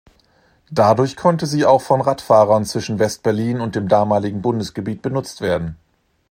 Dadurch konnte sie auch von Radfahrern zwischen West-Berlin und dem damaligen Bundesgebiet benutzt werden.